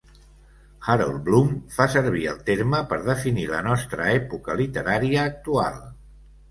Harold Bloom fa servir el terme per definir la nostra època literària actual.